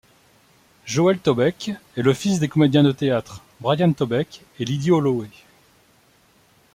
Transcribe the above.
Joel Tobeck est le fils des comédiens de théâtre Bryan Tobeck et Liddy Holloway.